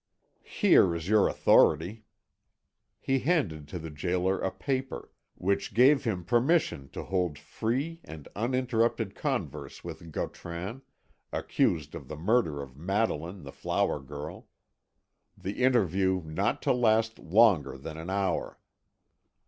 "Here is your authority." He handed to the gaoler a paper, which gave him permission to hold free and uninterrupted converse with Gautran, accused of the murder of Madeline the flower girl. The interview not to last longer than an hour.